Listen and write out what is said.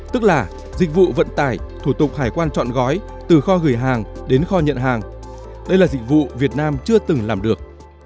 tức là dịch vụ vận tải thủ tục hải quan chọn gói từ kho gửi hàng đến kho nhận hàng đây là dịch vụ việt nam chưa từng làm được